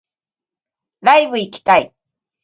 ライブ行きたい